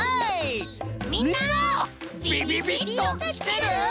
みんなビビビッときてる？